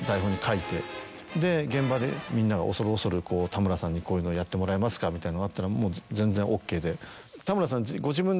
で現場でみんなが恐る恐る田村さんにこういうのをやってもらえますかみたいなのがあったらもう。